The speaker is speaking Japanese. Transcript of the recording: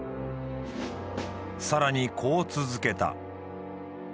さらにこう続けた。